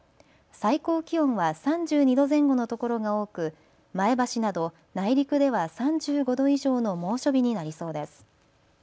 最高気温は３２度前後の所が多く前橋など内陸では３５度以上の猛暑日になりそうです。